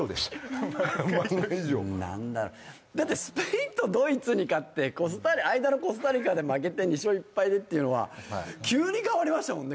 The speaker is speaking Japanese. だって、スペインとドイツに勝って、間のコスタリカに負けて２勝１敗でっていうのは急に変わりましたもんね